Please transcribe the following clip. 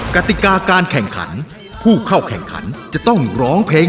กติกาการแข่งขันผู้เข้าแข่งขันจะต้องร้องเพลง